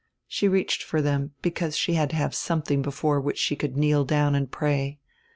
She reached for them, because she had to have something before which she could kneel down and pray.